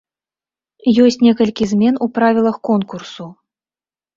Ёсць некалькі змен у правілах конкурсу.